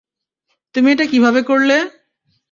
তুমি এটা কীভাবে করলে?